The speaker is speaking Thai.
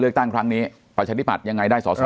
เรียกตั้งครั้งนี้ปัจจัยที่ผัดยังไงได้